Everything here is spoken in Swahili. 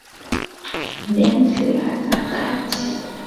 Densi la sakati.